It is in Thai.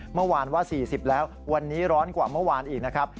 เมื่อวานว่า๔๐แล้ววันนี้ร้อนกว่าเมื่อวานอีกนะครับ